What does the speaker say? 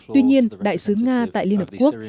tuy nhiên đại sứ nga tại liên hợp quốc